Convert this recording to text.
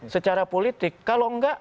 secara politik kalau enggak